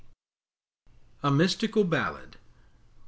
A MYSTICAL BALLAD.